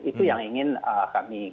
itu yang ingin kami